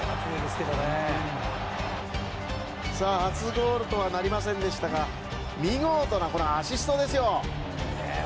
初ゴールとはなりませんでしたが見事なアシストですよ。